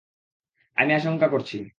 আমি আশংকা করছি!